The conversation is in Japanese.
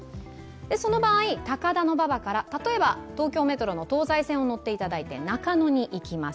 その場合、高田馬場から東京メトロの東西線に乗ってもらって中野に行きます。